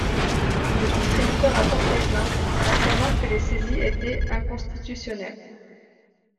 Le distributeur a porté plainte, affirmant que les saisies étaient inconstitutionnelles.